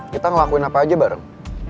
kita ngelakuin apa aja bareng